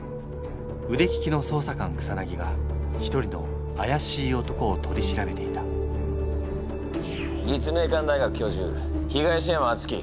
腕利きの捜査官草が一人のあやしい男を取り調べていた立命館大学教授東山篤規。